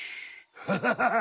アハハハハ！